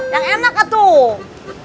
yang enak ya tuh